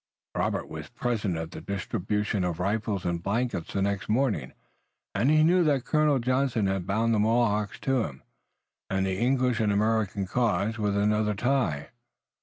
Robert was present at the distribution of rifles and blankets the next morning, and he knew that Colonel Johnson had bound the Mohawks to him and the English and American cause with another tie.